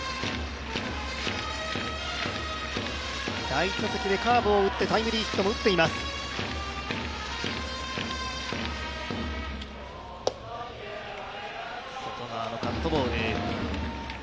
第１打席でカーブを打ってタイムリーヒットも打っています、牧。